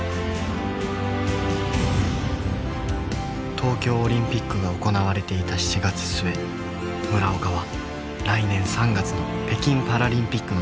東京オリンピックが行われていた７月末村岡は来年３月の北京パラリンピックの代表にも内定した。